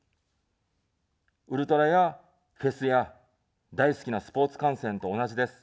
ウルトラやフェスや、大好きなスポーツ観戦と同じです。